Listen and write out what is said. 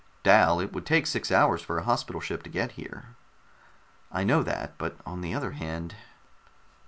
"Dal, it would take six hours for a hospital ship to get here." "I know that. But on the other hand...."